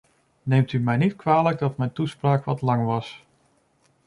Neemt u mij niet kwalijk dat mijn toespraak wat lang was.